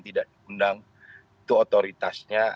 tidak diundang itu otoritasnya